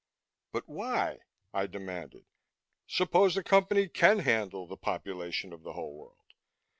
"But why?" I demanded. "Suppose the Company can handle the population of the whole world?